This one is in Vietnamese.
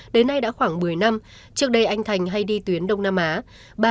đến nay đã khoảng một mươi năm trước đây anh thành hay đi tuyến đông nam á